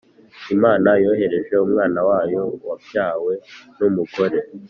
Imana yohereje Umwana wayoh wabyawe n umugore